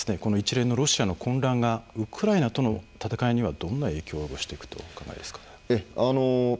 翻って、一連のロシアの混乱がウクライナとの戦いにはどんな影響を及ぼしていくと思いますか。